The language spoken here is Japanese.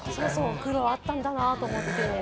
苦労があったんだなと思って。